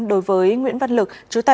đối với nguyễn văn lực